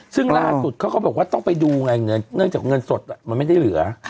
ซึ่งล่าสุดเขาก็บอกว่าต้องไปดูไงเนื่องจากเงินสดมันไม่ได้เหลือ